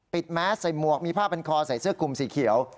แมสใส่หมวกมีผ้าเป็นคอใส่เสื้อคลุมสีเขียว